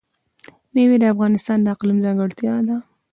مېوې د افغانستان د اقلیم ځانګړتیا ده.